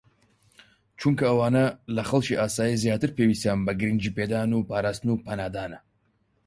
چونکە ئەوانە لە خەڵکی ئاسایی زیاتر پێویستیان بە گرنگیپێدان و پاراستن و پەنادانە